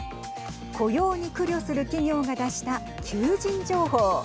雇用に苦慮する企業が出した求人情報。